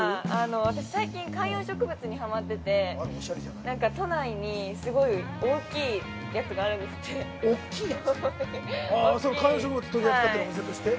◆私、最近観葉植物にはまってて、なんか、都内に、すごい大きいやつがあるんですって。